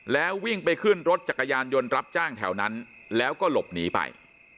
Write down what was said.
แล้ววิ่งไปขึ้นรถจักรยานยนต์รับจ้างแถวนั้นแล้วก็หลบหนีไป